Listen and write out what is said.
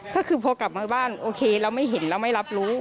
ก็คือพอกลับมาบ้านโอเคเราไม่เห็นเราไม่รับรู้